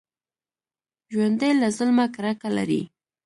ژوندي له ظلمه کرکه لري